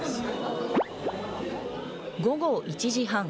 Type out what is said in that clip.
午後１時半。